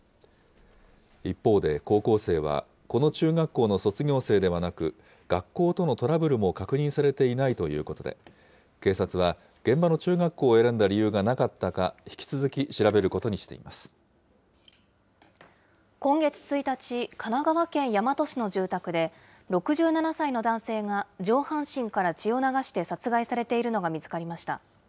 一方で高校生はこの中学校の卒業生ではなく、学校とのトラブルも確認されていないということで、警察は現場の中学校を選んだ理由がなかったか、今月１日、神奈川県大和市の住宅で、６７歳の男性が上半身から血を流して殺害されているのが見つかりました。